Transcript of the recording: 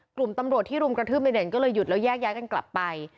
กลุ่มตำรวจที่รุมกระทืบในเด่นก็เลยหยุดแล้วแยกย้ายกันกลับไป